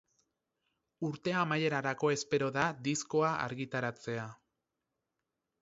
Urte amaierarako espero da diskoa argitaratzea.